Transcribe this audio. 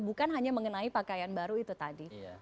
bukan hanya mengenai pakaian baru itu tadi